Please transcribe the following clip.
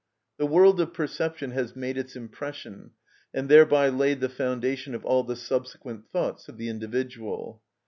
The world of perception has made its impression, and thereby laid the foundation of all the subsequent thoughts of the individual.